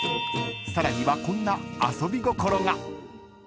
［さらにはこんな遊び心が］